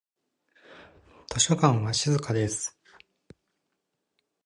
図書館は静かです。